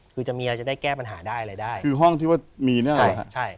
คือห้องที่ว่ามีนะ